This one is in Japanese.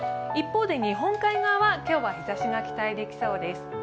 一方で日本海側は今日は日ざしが期待できそうです。